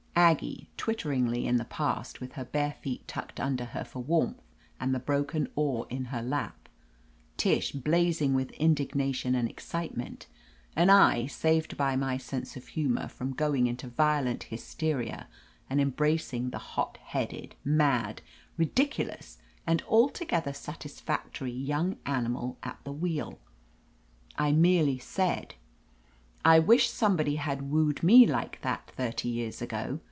Aggie twitteringly in the past, with her bare feet tucked under her for warmth and the broken oar in her lap; Tish blazing with indignation and excitement, and I saved by my sense of humor from going into violent hysteria and embracing the hot headed, mad, ridiculous and altogether satisfactory young animal at the wheel. I merely said : "I wish somebody had wooed me like that thirty years ago.